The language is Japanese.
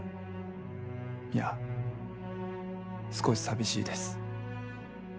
いや少し寂しいです